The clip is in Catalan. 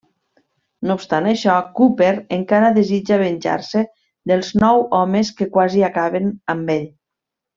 No obstant això, Cooper encara desitja venjar-se dels nou homes que quasi acaben amb ell.